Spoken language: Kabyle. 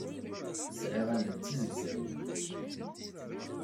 Sɛiɣ allen d tizegzawin.